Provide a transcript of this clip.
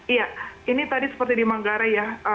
iya ini tadi seperti di manggarai ya